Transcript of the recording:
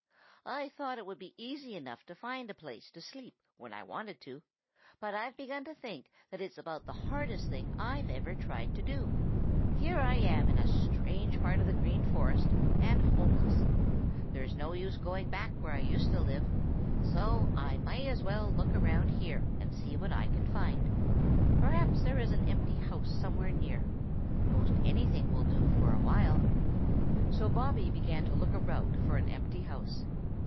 "I thought it would be easy enough to find a place to sleep when I wanted to, but I've begun to think that it is about the hardest thing I've ever tried to do. Here I am in a strange part of the Green Forest and homeless. There's no use in going back where I used to live, so I may as well look around here and see what I can find. Perhaps there is an empty house somewhere near. Most anything will do for awhile." So Bobby began to look about for an empty house.